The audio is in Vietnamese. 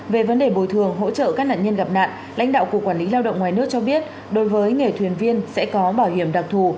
về vấn đề bồi thường hỗ trợ các nạn nhân gặp nạn lãnh đạo cục quản lý lao động ngoài nước cho biết đối với nghề thuyền viên sẽ có bảo hiểm đặc thù